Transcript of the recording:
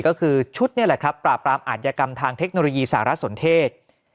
ก็คือชุดนี่แหละครับปราบรามอาธิกรรมทางเทคโนโลยีสารสนเทศ